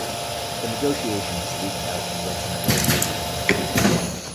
The negotiations leaked out and led to embarrassing questions.